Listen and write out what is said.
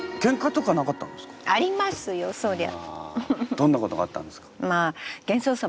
どんなことがあったんですか？